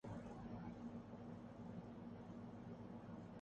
team کا خیال اتنا ہی ضروری ہے جتنی اس کی بلےبازی کی اوسط